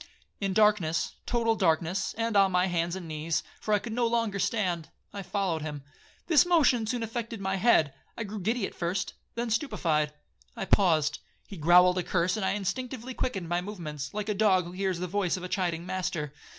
'In darkness, total darkness, and on my hands and knees, for I could no longer stand, I followed him. This motion soon affected my head; I grew giddy first, then stupified. I paused. He growled a curse, and I instinctively quickened my movements, like a dog who hears the voice of a chiding master.